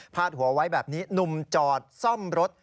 ดหัวไว้แบบนี้หนุ่มจอดซ่อมรถ